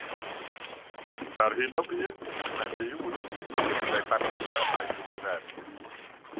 Ar hyn o bryd mae'n byw yn y Swistir gyda'i bartner a'u dwy ferch.